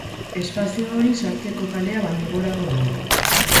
Espazio hori sartzeko kalea baino gorago dago.